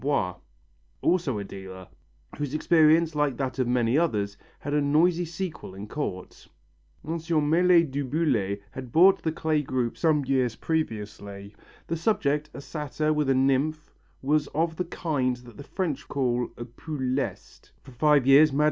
Boiss, also a dealer, whose experience, like that of many others, had a noisy sequel in Court. M. Maillet du Boullay had bought the clay group some years previously. The subject, a satyr with a nymph, was of the kind that the French call un peu leste. For five years Mme.